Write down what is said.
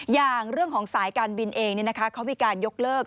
อย่างเรื่องของสายการบินเองเขามีการยกเลิก